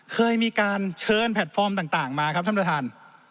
เคยมีการเชิญแพลตฟอร์มต่างมาครับท่านประธาน